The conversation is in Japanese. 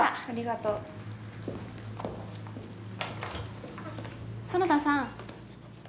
ありがとう園田さん